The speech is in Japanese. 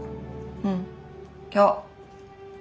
うん今日。